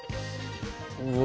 うわ。